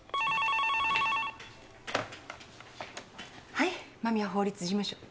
☎はい間宮法律事務所。